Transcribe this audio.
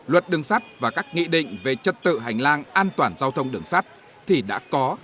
luật đường sắp và các nghị định về chất tự hành lang an toàn giao thông đường sắp thì đã có